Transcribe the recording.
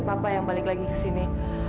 papa yang balik lagi kesini